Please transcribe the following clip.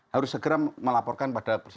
harus segera melaporkan pada